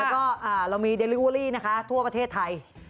แล้วก็เรามีเดลิเวอรี่นะคะทั่วประเทศไทย